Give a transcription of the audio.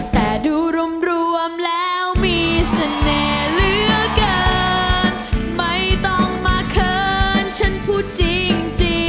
ตั้งขบวนกันมาวง